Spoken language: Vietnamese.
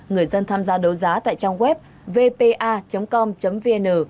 người dân tham gia đấu giá tại trang web vpa com vn